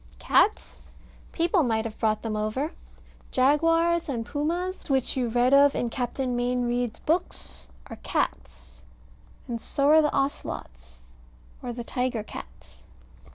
Cats? People might have brought them over. Jaguars and Pumas, which you read of in Captain Mayne Reid's books, are cats, and so are the Ocelots or tiger cats.